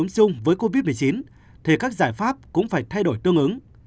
chung với covid một mươi chín thì các giải pháp cũng phải thay đổi tương ứng